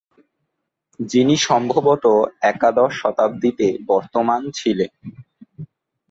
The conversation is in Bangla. যিনি সম্ভবত একাদশ শতাব্দীতে বর্তমান ছিলেন।